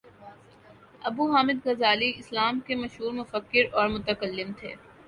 ابو حامد غزالی اسلام کے مشہور مفکر اور متکلم تھے